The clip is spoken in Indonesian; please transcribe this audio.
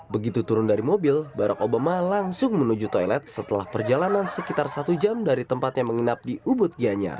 begitu turun dari mobil barack obama langsung menuju toilet setelah perjalanan sekitar satu jam dari tempatnya menginap di ubud gianyar